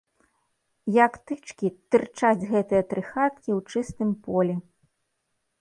Як тычкі, тырчаць гэтыя тры хаткі ў чыстым полі.